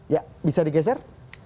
ya bisa digeser